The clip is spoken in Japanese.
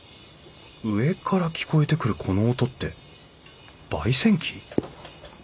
上から聞こえてくるこの音ってばい煎機？